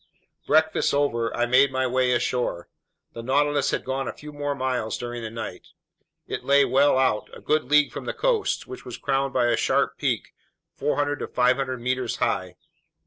Breakfast over, I made my way ashore. The Nautilus had gone a few more miles during the night. It lay well out, a good league from the coast, which was crowned by a sharp peak 400 to 500 meters high.